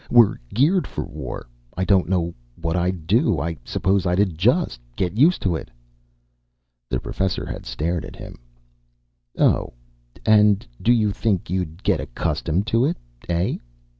We're geared for war. I don't know what I'd do. I suppose I'd adjust, get used to it." The Professor had stared at him. "Oh, you do think you'd get accustomed to it, eh?